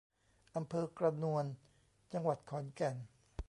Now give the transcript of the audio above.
อำเภอกระนวน จังหวัดขอนแก่น